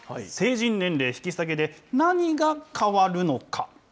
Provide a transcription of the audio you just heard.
成人年齢引き下げで何が変わるのか。